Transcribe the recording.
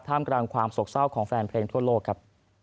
กลางความโศกเศร้าของแฟนเพลงทั่วโลกครับ